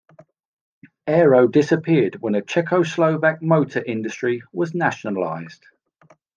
Aero disappeared when the Czechoslovak motor industry was nationalised.